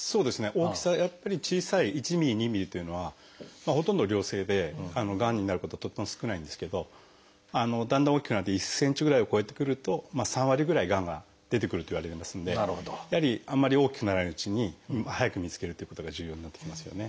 大きさやっぱり小さい１ｍｍ２ｍｍというのはほとんど良性でがんになることはとっても少ないんですけどだんだん大きくなって１ｃｍぐらいを超えてくると３割ぐらいがんが出てくるといわれてますのでやはりあんまり大きくならないうちに早く見つけるということが重要になってきますよね。